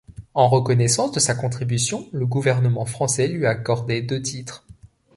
En reconnaissance de sa contribution, le gouvernement français lui a accordé deux titres.